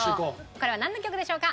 これはなんの曲でしょうか？